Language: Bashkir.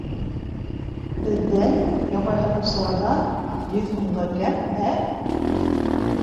Беҙҙән, ябай һатыусыларҙан, йөҙ һумға кәм, ә?